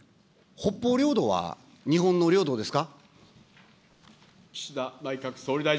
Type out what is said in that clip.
北方領土は日本の領土です。